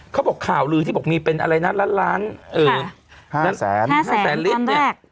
เขาบอกข่าวลือที่บอกมีเป็นอะไรนะล้าน๕แสนลิตรเนี่ย